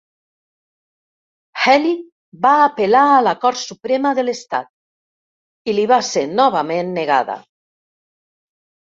Healy va apel·lar a la Cort Suprema de l'estat i li va ser novament negada.